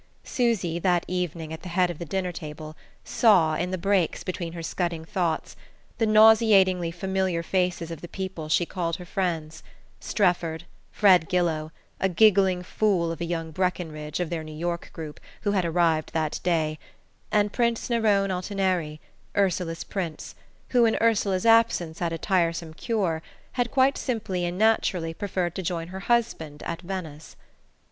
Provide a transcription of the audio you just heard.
Susy, that evening, at the head of the dinner table, saw in the breaks between her scudding thoughts the nauseatingly familiar faces of the people she called her friends: Strefford, Fred Gillow, a giggling fool of a young Breckenridge, of their New York group, who had arrived that day, and Prince Nerone Altineri, Ursula's Prince, who, in Ursula's absence at a tiresome cure, had, quite simply and naturally, preferred to join her husband at Venice.